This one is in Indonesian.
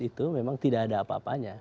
itu memang tidak ada apa apanya